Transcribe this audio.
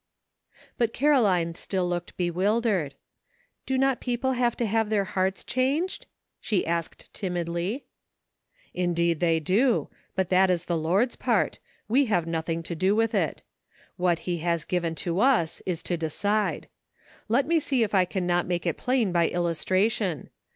But Caroline still looked bewildered. "Do not people have to have their hearts changed ?" she asked timidly. GREAT QUESTIONS SETTLED. 293 "Indeed they do ; but that is the Lord's part ; we have nothing to do with it. What he has given to us is to decide. Let me see if I can not make it plain by iUustratiou.